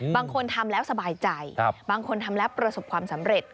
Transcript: บางคนทำแล้วสบายใจบางคนทำแล้วประสบความสำเร็จ